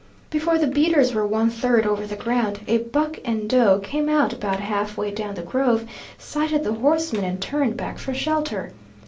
Before the beaters were one third over the ground, a buck and doe came out about halfway down the grove, sighted the horsemen, and turned back for shelter.